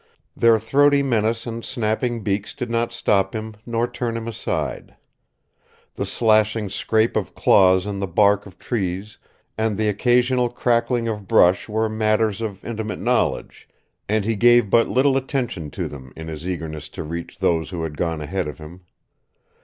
Their throaty menace and snapping beaks did not stop him nor turn him aside. The slashing scrape of claws in the bark of trees and the occasional crackling of brush were matters of intimate knowledge, and he gave but little attention to them in his eagerness to reach those who had gone ahead of him.